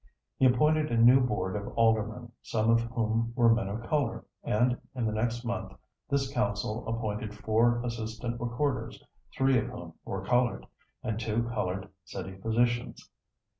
He appointed a new board of aldermen, some of whom were men of color, and in the next month this council appointed four assistant recorders, three of whom were colored, and two colored city physicians.